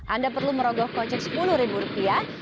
anda perlu merogoh koncik sepuluh rupiah